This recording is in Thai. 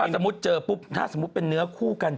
สมมุติเจอปุ๊บถ้าสมมุติเป็นเนื้อคู่กัน